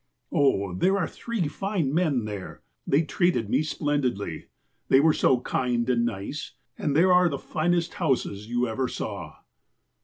" 'Oh, there are three fine men there. They treated me splendidly. They were so kind and nice. And there are the finest houses you ever saw.'